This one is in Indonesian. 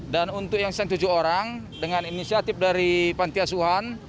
dan untuk yang setujuh orang dengan inisiatif dari panti asuan